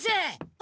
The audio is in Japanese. あ。